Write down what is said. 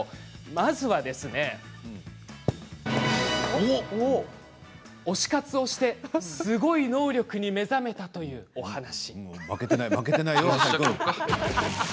まずは推し活をしてすごい能力に目覚めたというお話です。